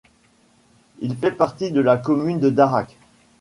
Il fait partie de la commune de Darak.